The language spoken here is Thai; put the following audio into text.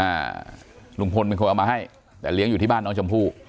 อ่าลุงพลเป็นคนเอามาให้แต่เลี้ยงอยู่ที่บ้านน้องชมพู่